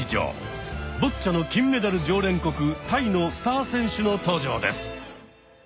ボッチャの金メダル常連国タイのスター選手の登場です。